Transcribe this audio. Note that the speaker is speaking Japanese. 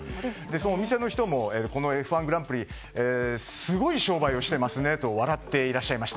そのお店の人もこのＦ１グランプリすごい商売をしていますねと笑っていらっしゃいました。